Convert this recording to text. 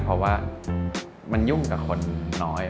เพราะว่ามันยุ่งกับคนน้อย